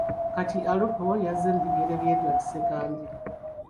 Kati Alupo y’azze mu bigere bya Edward Kiwanuka Ssekandi.